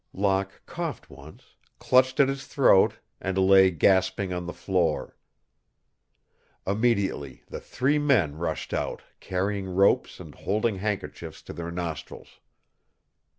Locke coughed once, clutched at his throat, and lay gasping on the floor. Immediately the three men rushed out, carrying ropes and holding handkerchiefs to their nostrils.